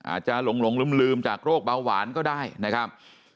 หลงลืมจากโรคเบาหวานก็ได้นะครับ